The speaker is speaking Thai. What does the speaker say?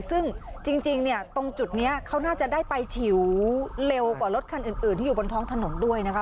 ซึ่งจริงเนี่ยตรงจุดนี้เขาน่าจะได้ไปฉิวเร็วกว่ารถคันอื่นที่อยู่บนท้องถนนด้วยนะคะ